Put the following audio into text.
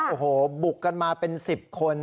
โอ้โหบุกกันมาเป็น๑๐คน